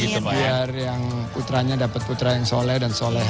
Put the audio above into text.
biar putranya dapat putra yang soleh dan solehah